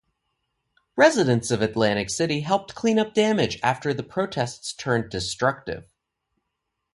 Residents of Atlantic City helped clean up damage after the protests turned destructive.